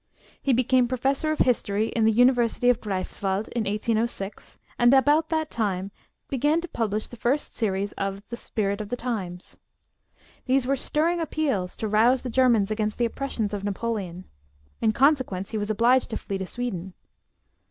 He became professor of history in the University of Greifswald in 1806, and about that time began to publish the first series of the 'Spirit of the Times.' These were stirring appeals to rouse the Germans against the oppressions of Napoleon. In consequence he was obliged to flee to Sweden.